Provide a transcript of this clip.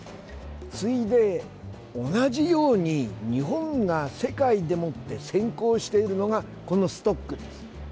次いで同じように日本が世界でもって先行しているのがこのストックです。